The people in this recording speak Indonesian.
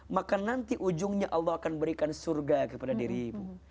maka nanti ujungnya allah akan berikan surga kepada dirimu